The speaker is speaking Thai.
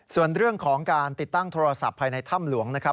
ส่วนเรื่องของการติดตั้งโทรศัพท์ภายในถ้ำหลวงนะครับ